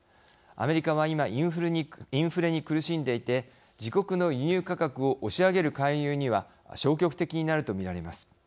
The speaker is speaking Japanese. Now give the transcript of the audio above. アメリカは今インフレに苦しんでいて自国の輸入価格を押し上げる介入には消極的になるとみられます。